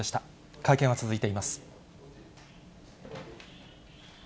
会見は続いています。